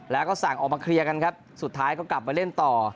แล้วก็สั่งออกมาเคลียร์กันครับสุดท้ายก็กลับมาเล่นต่อ